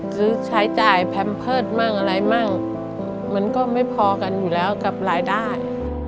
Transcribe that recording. ซื้อใช้จ่ายแพมเพิร์ตมั่งอะไรมั่งมันก็ไม่พอกันอยู่แล้วกับรายได้